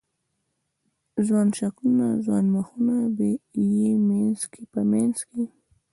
ځوان شکلونه، ځوان مخونه یې په منځ کې